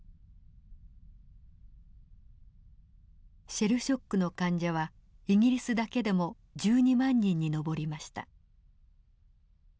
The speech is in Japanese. シェルショックの患者はイギリスだけでも１２万人に上りました。